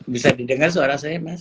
bisa didengar suara saya mas